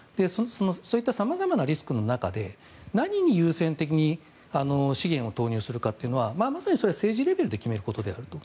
そういった様々なリスクの中で何に優先的に資源を投入するかはまさにそれは政治レベルで決めることであると。